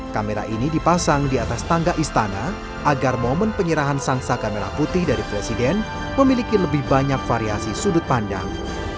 kamera ini dipasang di atas tangga istana agar momen penyerahan sang saka merah putih dari presiden memiliki lebih banyak variasi sudut pandang